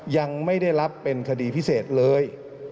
ยังไม่ได้รับเป็นคดีพิเศษเลย